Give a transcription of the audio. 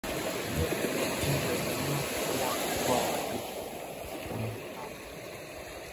Vyuo vingi nchini Tanzania wamekuwa wakiwataaa watu wenye ulemavu